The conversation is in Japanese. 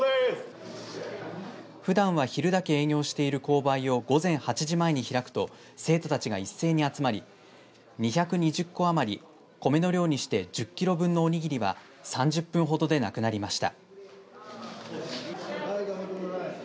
ふだんは昼だけ営業している購買を午前８時前に開くと生徒たちが一斉に集まり２２０個余り米の量にして１０キロ分のおにぎりは３０分ほどでなくなりました。